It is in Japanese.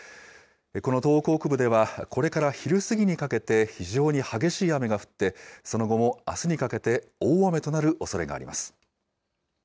この東北北部では、これから昼過ぎにかけて、非常に激しい雨が降って、その後もあすにかけて、大雨となるおそれがあります。